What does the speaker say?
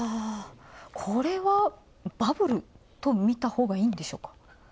これは、バブルと見たほうがいいんでしょうか？